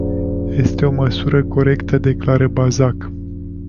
Este o măsură corectă declară Bazac.